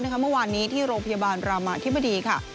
เมื่อวานนี้ที่โรงพยาบาลรามาธิบดีค่ะ